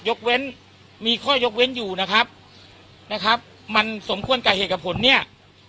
ยกเว้นมีข้อยกเว้นอยู่นะครับนะครับมันสมควรกับเหตุกับผลเนี่ย